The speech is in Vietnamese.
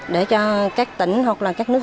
để cho các tỉnh hoặc các nước